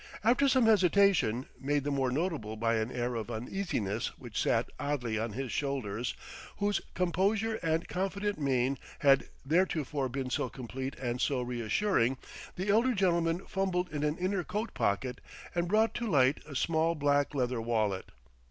After some hesitation, made the more notable by an air of uneasiness which sat oddly on his shoulders, whose composure and confident mien had theretofore been so complete and so reassuring, the elder gentleman fumbled in an inner coat pocket and brought to light a small black leather wallet.